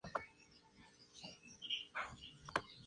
No incluía un puerto externo de vídeo.